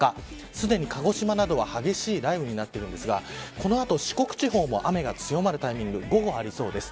すでに鹿児島などは激しい雷雨になっていますがこの後四国地方も、雨が強まるタイミング、午後ありそうです。